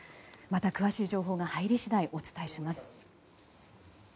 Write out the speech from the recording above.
また詳しい情報が入り次第お伝えします。